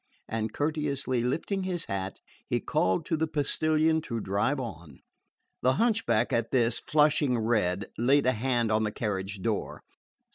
And courteously lifting his hat he called to the postillion to drive on. The hunchback at this, flushing red, laid a hand on the carriage door.